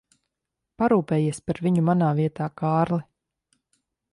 Parūpējies par viņu manā vietā, Kārli.